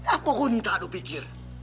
apa kau ini tak ada pikir